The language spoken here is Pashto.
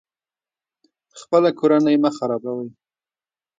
خپله کورنۍ مه خرابوئ